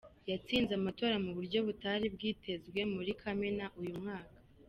Yatsinze amatora mu buryo butari bwitezwe muri Kamena uyu mwaka.